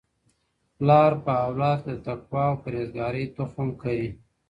پلار په اولاد کي د تقوا او پرهیزګارۍ تخم کري.